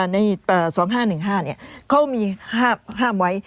ใน๒๕๑๕เขามีห้ามไว้